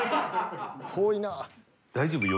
遠いな。